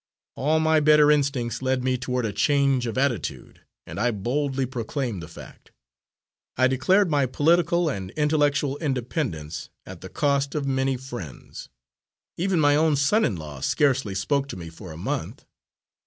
All my better instincts led me toward a change of attitude, and I boldly proclaimed the fact. I declared my political and intellectual independence, at the cost of many friends; even my own son in law scarcely spoke to me for a month.